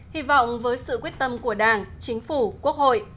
hy vọng với sự quyết tâm của đảng chính phủ quốc hội